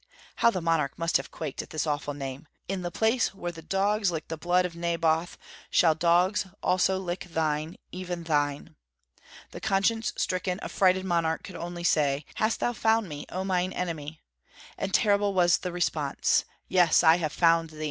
how the monarch must have quaked at this awful name: "In the place where dogs licked the blood of Naboth, shall dogs also lick thine, even thine." The conscience stricken, affrighted monarch could only say, "Hast thou found me, oh mine enemy!" And terrible was the response: "Yes, I have found thee!